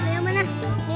gorengan mau beli